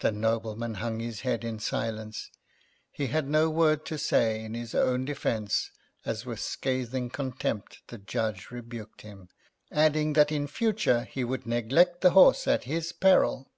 The nobleman hung his head in silence; he had no word to say in his own defence as with scathing contempt the judge rebuked him, adding that in future he would neglect the horse at his peril.